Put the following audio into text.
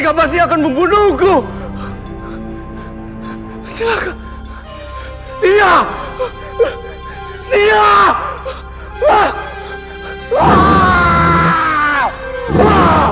tau fanteck ph dan ksatria brow kan